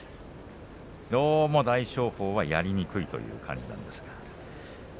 どうも大翔鵬はやりにくいという感じです。